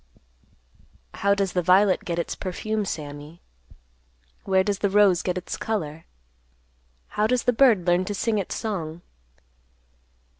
"How does the violet get its perfume, Sammy? Where does the rose get its color? How does the bird learn to sing its song?"